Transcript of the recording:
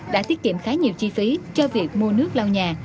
đã tiết kiệm khá nhiều chi phí cho việc mua nước lau nhà